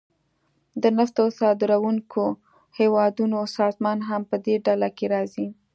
د نفتو صادرونکو هیوادونو سازمان هم پدې ډله کې راځي